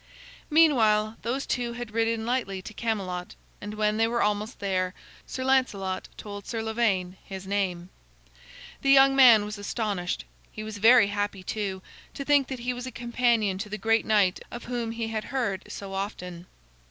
Meanwhile those two had ridden lightly to Camelot, and when they were almost there, Sir Lancelot told Sir Lavaine his name. The young man was astonished. He was very happy, too, to think that he was a companion to the great knight of whom he had heard so often.